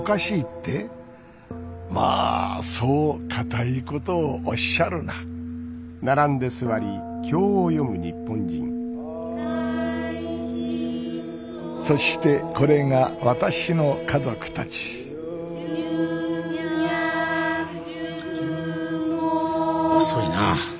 まあそう固いことをおっしゃるなそしてこれが私の家族たち遅いな。